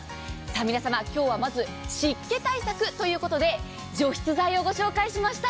皆様、今日はまず湿気対策ということで除湿剤をご紹介しました。